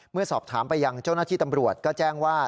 เมื่อสอบถามไปยังเจ้าหน้าที่ตำรวจก็แจ้งว่า